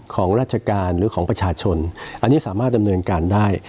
ของราชการหรือของประชาชนอันนี้สามารถดำเนินการได้